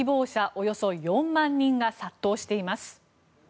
およそ４万人が殺到しています。